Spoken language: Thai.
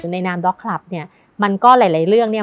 ในนามด็อกคลับเนี่ยมันก็หลายหลายเรื่องเนี่ย